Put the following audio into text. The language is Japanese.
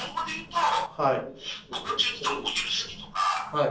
はい。